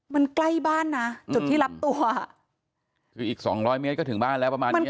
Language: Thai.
มันใกล้บ้านนะจุดที่รับตัวคืออีกสองร้อยเมตรก็ถึงบ้านแล้วประมาณเนี้ย